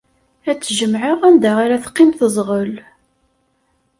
Ad tt-jemɛeɣ anda ara teqqim teẓɣel.